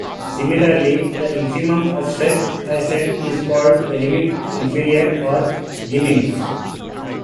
Similarly, the infimum of such a set is called the limit inferior, or liminf.